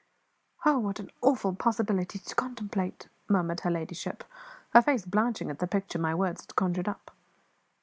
"Oh, what an awful possibility to contemplate!" murmured her ladyship, her face blanching at the picture my words had conjured up.